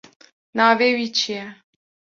Navê wî çi ye?